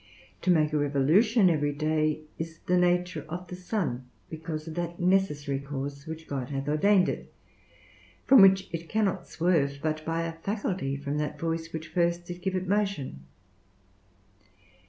To make a revolution every day is the nature of the sun, because of that necessary course which God hath ordained it, from which it cannot swerve but by a faculty from that voice which first did give it motion.